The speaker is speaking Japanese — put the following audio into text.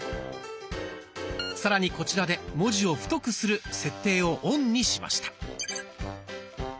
さらにこちらで「文字を太くする」設定をオンにしました。